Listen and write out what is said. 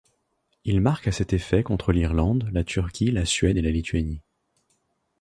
Il marque à cet effet contre l'Irlande, la Turquie, la Suède, et la Lituanie.